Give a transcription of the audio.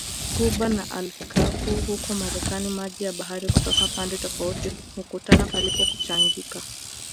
Ghuba ya Alaska huko Marekani maji ya bahari kutoka pande tofauti hukutana pasipo kuchanganyika